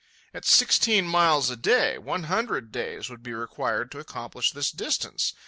At sixteen miles a day, one hundred days would be required to accomplish this distance.